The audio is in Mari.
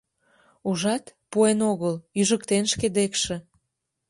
Ужат, пуэн огыл, ӱжыктен шке декше.